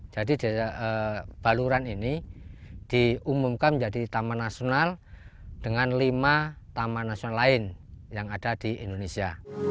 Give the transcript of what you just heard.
jadi desa baluran ini diumumkan menjadi taman nasional dengan lima taman nasional lain yang ada di indonesia